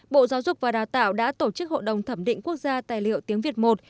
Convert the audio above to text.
bộ giáo dục và đào tạo đã tổ chức hội đồng thẩm định quốc gia tài liệu tiếng việt một